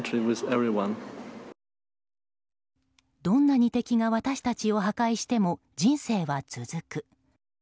どんなに敵が私たちを破壊しても人生は続く。